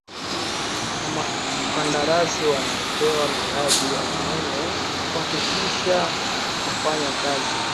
na makandarasi wanaopewa miradi ya umeme kuhakikisha wanafanya kazi